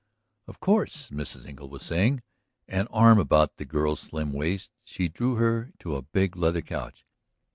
"Of course," Mrs. Engle was saying. An arm about the girl's slim waist, she drew her to a big leather couch.